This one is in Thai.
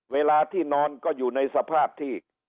เวลาที่นอนก็อยู่ในสภาพที่